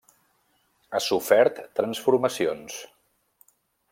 Ha sofert transformacions.